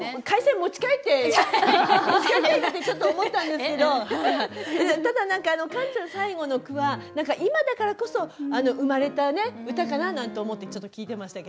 持ち帰りたいなってちょっと思ったんですけどただ何かカンちゃん最後の句は今だからこそ生まれた歌かななんて思ってちょっと聞いてましたけど。